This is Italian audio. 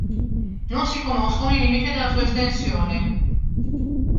Non si conoscono i limiti della sua estensione.